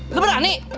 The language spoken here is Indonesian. eh lo berani